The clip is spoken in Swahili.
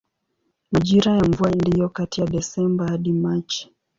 Majira ya mvua ndiyo kati ya Desemba hadi Machi.